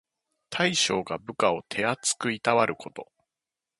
大将が部下を手あつくいたわること。